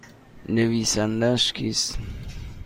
نویسندهاش کیست؟